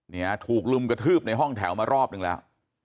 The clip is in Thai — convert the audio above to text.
เนี่ยถูกลุมกระทืบในห้องแถวมารอบนึงแล้ว